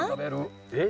えっ？